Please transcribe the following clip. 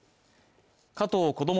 加藤こども